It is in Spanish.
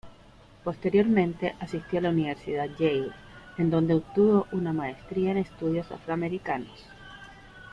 Posteriormente, asistió a la Universidad Yale, en donde obtuvo una maestría en Estudios Afroamericanos.